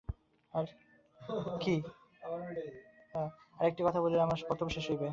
আর একটি কথা বলিলেই আমার বক্তব্য শেষ হইবে।